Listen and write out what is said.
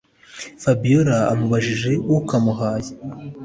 fabiora amubajije ukamuhaye